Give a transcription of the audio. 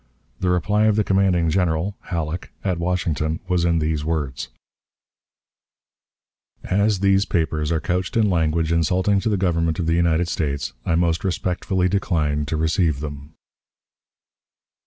The reply of the commanding General (Halleck) at Washington was in these words: "As these papers are couched in language insulting to the Government of the United States, I most respectfully decline to receive them."